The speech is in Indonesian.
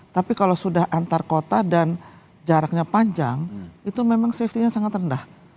tapi kalau sudah antar kota dan jaraknya panjang itu memang safety nya sangat rendah